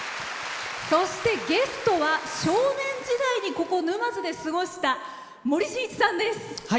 そして、ゲストは少年時代にここ沼津で過ごした森進一さんです。